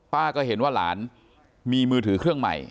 ป้าก็เห็นว่าหลานมีมือถือเครื่องใหม่